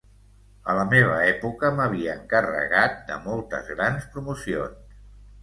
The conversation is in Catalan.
A la meva època m'havia encarregat de moltes grans promocions.